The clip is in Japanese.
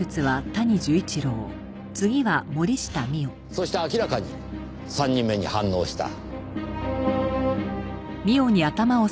そして明らかに３人目に反応した。